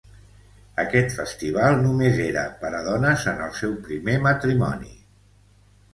Aquest festival només era per a dones en el seu primer matrimoni.